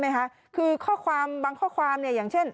ใช่ไหมคะคือบางข้อความเนี่ยอย่างเช่น